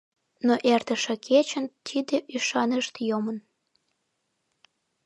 Но эртыше кечын тиде ӱшанышт йомын.